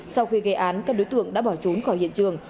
sau khi gây án các đối tượng đã bỏ trốn khỏi hiện trường